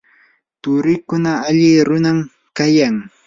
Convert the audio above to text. turiikuna alli runam kayan.